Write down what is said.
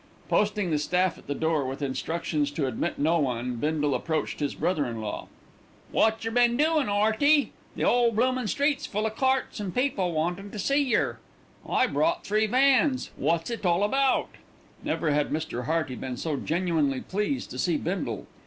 Posting the staff at the door with instructions to admit no one, Bindle approached his brother in law. "Wot jer been doin', 'Earty? The 'ole bloomin' street's full o' carts and people wantin' to see yer. I brought three vans. What's it all about?" Never had Mr. Hearty been so genuinely pleased to see Bindle.